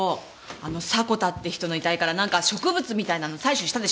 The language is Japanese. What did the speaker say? あの迫田って人の遺体からなんか植物みたいなの採取したでしょ。